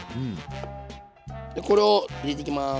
でこれを入れていきます。